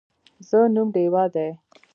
زه نوم ډیوه دی